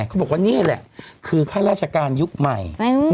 เขาบอกว่านี่แหละคือข้าราชการยุคใหม่